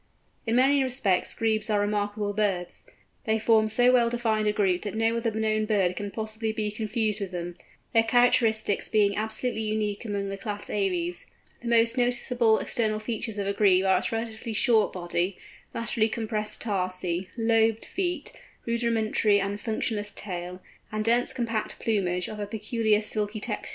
In many respects Grebes are remarkable birds. They form so well defined a group that no other known bird can possibly be confused with them, their characteristics being absolutely unique among the class Aves. The most noticeable external features of a Grebe are its relatively short body, laterally compressed tarsi, lobed feet, rudimentary and functionless tail, and dense compact plumage of a peculiar silky texture.